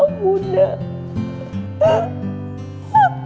di depan kamu